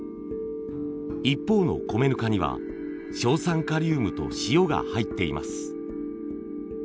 一方の米ぬかには硝酸カリウムと塩が入っています。